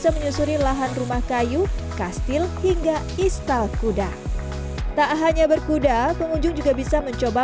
menyusuri lahan rumah kayu kastil hingga istal kuda tak hanya berkuda pengunjung juga bisa mencoba